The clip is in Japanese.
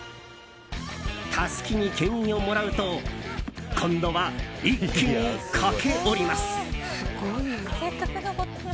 たすきに検印をもらうと今度は一気に駆け下ります。